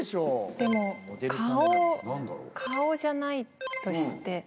でも顔顔じゃないとして。